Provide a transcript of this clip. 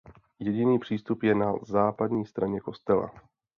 Jediný přístup je na západní straně kostela.